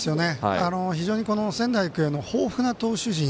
非常に仙台育英の豊富な投手陣